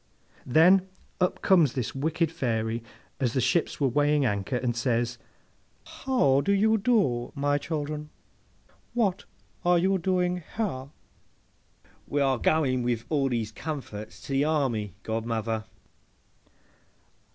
Then, up comes this wicked Fairy as the ships were weighing anchor, and says, 'How do you do, my children? What are you doing here?'—'We are going with all these comforts to the army, godmother.